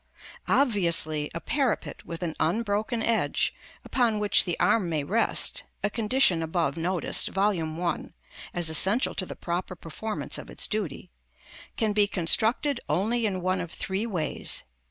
§ XVI. Obviously, a parapet with an unbroken edge, upon which the arm may rest (a condition above noticed, Vol. I. p. 157., as essential to the proper performance of its duty), can be constructed only in one of three ways.